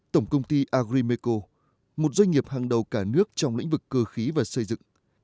tổng công ty agrimeco một doanh nghiệp hàng đầu cả nước trong lĩnh vực cơ khí và xây dựng